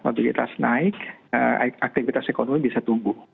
mobilitas naik aktivitas ekonomi bisa tumbuh